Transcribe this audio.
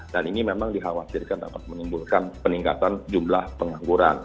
dan ini memang dikhawatirkan akan menimbulkan peningkatan jumlah pengangguran